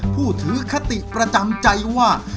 ผู้ถือคติประจำใจว่า